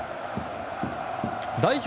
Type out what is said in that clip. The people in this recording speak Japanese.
代表